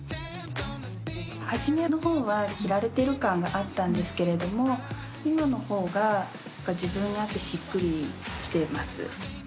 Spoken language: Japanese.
初めのほうは着られている感があったんですけれども今のほうが自分に合ってしっくりきています。